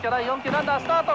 ランナースタート！